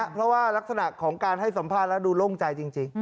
เพราะว่ารักษณะของการให้สัมภาษณ์แล้วดูโล่งใจจริง